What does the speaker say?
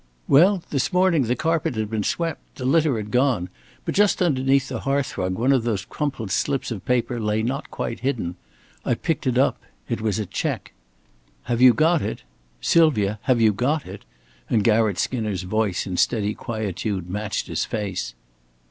"Well, this morning the carpet had been swept. The litter had gone. But just underneath the hearth rug one of those crumpled slips of paper lay not quite hidden. I picked it up. It was a check." "Have you got it? Sylvia, have you got it?" and Garratt Skinner's voice in steady quietude matched his face.